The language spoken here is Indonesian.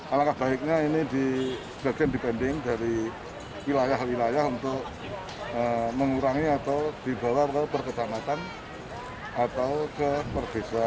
alangkah baiknya ini di bagian depending dari wilayah wilayah untuk mengurangi atau dibawa ke perkecamatan atau ke per desa